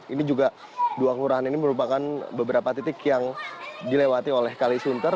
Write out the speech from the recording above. ini juga dua kelurahan ini merupakan beberapa titik yang dilewati oleh kalisunter